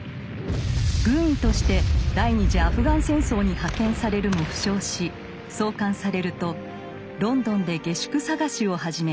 軍医として第二次アフガン戦争に派遣されるも負傷し送還されるとロンドンで下宿探しを始めます。